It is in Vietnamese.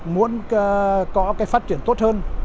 muốn có cái phát triển tốt hơn